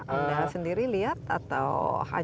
anda sendiri lihat atau hanya